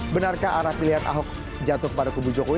benarkah arah pilihan ahok jatuh pada kubu jokowi